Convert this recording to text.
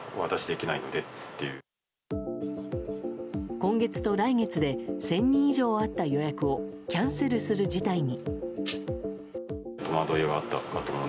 今月と来月で１０００人以上あった予約をキャンセルする事態に。